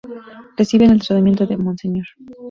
Reciben el tratamiento de Monseñor.